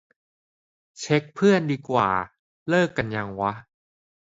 เช็คเพื่อนดีกว่า เลิกกันยังวะ